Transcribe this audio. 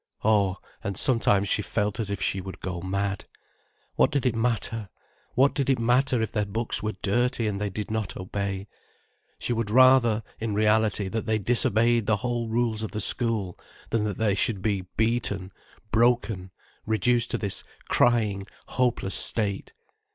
Oh, and sometimes she felt as if she would go mad. What did it matter, what did it matter if their books were dirty and they did not obey? She would rather, in reality, that they disobeyed the whole rules of the school, than that they should be beaten, broken, reduced to this crying, hopeless state.